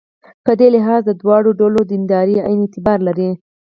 په دې لحاظ د دواړو ډلو دینداري عین اعتبار لري.